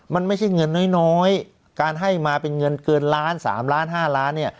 มันไม่ใช่เงินน้อยการให้มาเป็นเงินเกินล้าน๓ล้าน๕ล้านเนี่ย